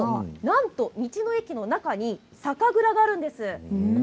なんと道の駅の中に酒蔵があるんです。